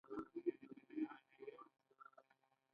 پۀ هغه کس لعنت اووائې